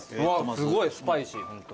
すごいスパイシーホント。